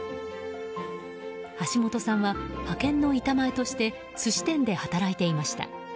橋本さんは派遣の板前として寿司店で働いていました。